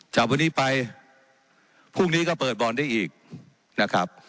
จากวันนี้ไปพรุ่งนี้ก็เปิดบ่อนได้อีกนะครับ